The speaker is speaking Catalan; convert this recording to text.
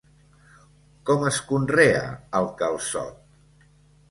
Com es conrea el calçot?